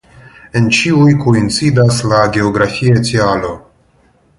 En ĉiuj koincidas la geografia tialo.